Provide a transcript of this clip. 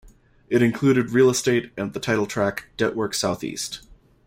It included "Real Estate" and the title track, "Dettwork SouthEast".